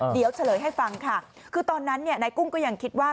เดี๋ยวเฉลยให้ฟังค่ะคือตอนนั้นเนี่ยนายกุ้งก็ยังคิดว่า